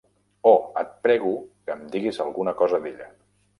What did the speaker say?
Oh, et prego que em diguis alguna cosa d'ella.